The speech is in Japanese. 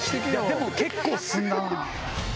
でも結構進んだな。